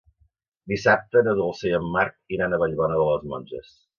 Dissabte na Dolça i en Marc iran a Vallbona de les Monges.